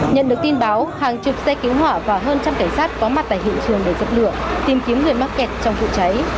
nhận được tin báo hàng chục xe cứu hỏa và hơn trăm cảnh sát có mặt tại hiện trường để giật lửa tìm kiếm người mắc kẹt trong vụ cháy